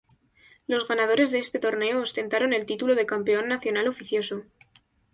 Los ganadores de este torneo ostentaron el título de "Campeón Nacional oficioso".